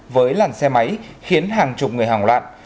với làn xe máy khiến hàng chục người hoảng loạn